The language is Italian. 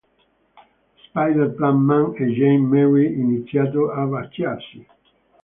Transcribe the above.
Spider-Plant Man e Jane-Mary iniziano a baciarsi.